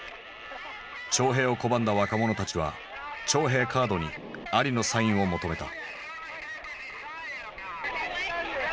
徴兵を拒んだ若者たちは徴兵カードにアリのサインを求めた。